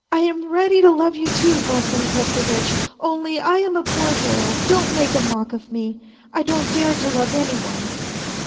am ready to love you, too, Vassily Petro vitch, only I am a poor girl, don't make a mock of me ; I don't dare to love any one.'